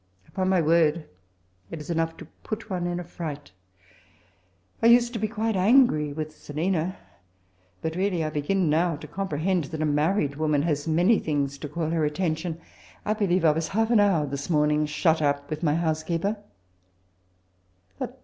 Upon my word, it is enough to put one in a fright. I used to be quite angry with Selma ; but, really, I begin now to comprehend that a married woman has many things to call her attention. I believe I was half an hour this morning shut up with my house keeper.'